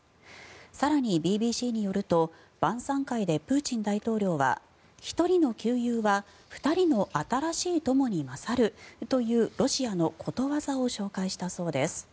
更にＢＢＣによると晩さん会でプーチン大統領は１人の旧友は２人の新しい友に勝るというロシアのことわざを紹介したそうです。